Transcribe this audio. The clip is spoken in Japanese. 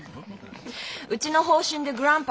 うちの方針でグランパ